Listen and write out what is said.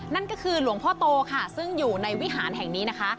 นั่นก็คือหลวงพ่อโตค่ะซึ่งอยู่ในวิหารแห่งนี้นะคะ